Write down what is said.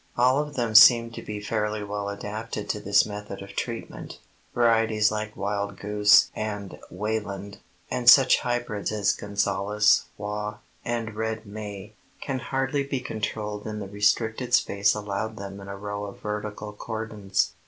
All of them seem to be fairly well adapted to this method of treatment. Varieties like Wildgoose and Wayland, and such hybrids as Gonzales, Waugh and Red May, can hardly be controlled in the restricted space allowed them in a row of vertical cordons.